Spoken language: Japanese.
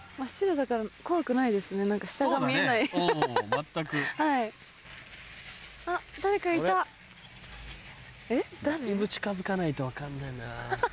だいぶ近づかないと分かんねえな。